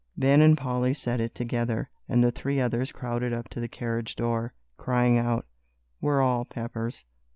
Ben and Polly said it together, and the three others crowded up to the carriage door, crying out, "We're all Peppers."